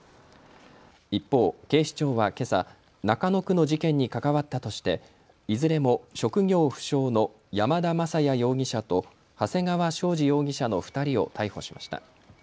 一方、警視庁はけさ中野区の事件に関わったとしていずれも職業不詳の山田雅也容疑者と長谷川将司容疑者の２人を逮捕しました。